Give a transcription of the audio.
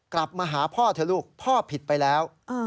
กลับมาหาพ่อเถอะลูกพ่อผิดไปแล้ว